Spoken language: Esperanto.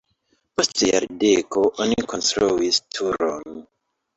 Post jardeko oni konstruis turon.